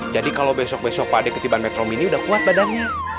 jadi kalau besok besok pak deh ketibaan metro mini udah kuat badannya